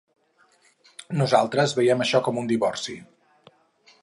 Nosaltres veiem això com un divorci.